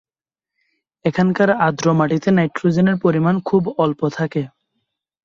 এখানকার আর্দ্র মাটিতে নাইট্রোজেনের পরিমাণ খুব অল্প থাকে।